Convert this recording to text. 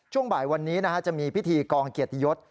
ช่วงบ่ายวันนี้จะมีพิธีกองเกียรติยศ